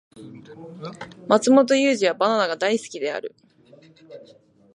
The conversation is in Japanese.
マツモトユウジはバナナが大好きである